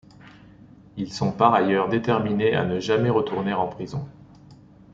Ils sont par ailleurs déterminés à ne jamais retourner en prison...